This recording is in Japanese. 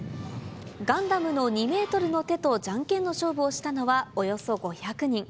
ガンダムの２メートルの手とじゃんけんの勝負をしたのはおよそ５００人。